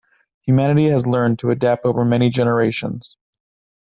Humanity has learned to adapt over many generations.